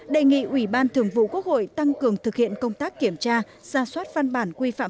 đề nghị ủy ban thường vụ quốc hội tăng cường thực hiện công tác kiểm tra ra soát văn bản quy phạm